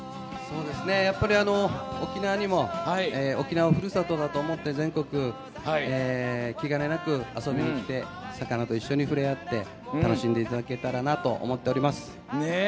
やっぱり沖縄にも沖縄をふるさとだと思って全国、気兼ねなく遊びに来て魚と一緒に触れ合って楽しんでいただけたらなと思っております。